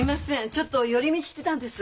ちょっと寄り道してたんです。